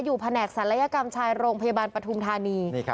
อยู่แผนกศาลัยกรรมชายโรงพยาบาลประธุมธานี